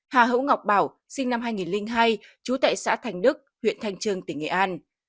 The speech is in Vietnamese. hà hữu ngọc bảo sinh năm hai nghìn hai trú tại xã thành đức huyện thanh trương tỉnh nghệ an